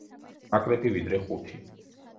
ნაკლები, ვიდრე ხუთი.